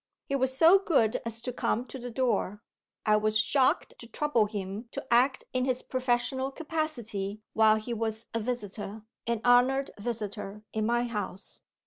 He was so good as to come to the door. I was shocked to trouble him to act in his professional capacity while he was a visitor, an honored visitor, in my house.